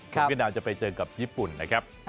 ซึ่งเวียดนามจะไปเจอกับญี่ปุ่นนะครับ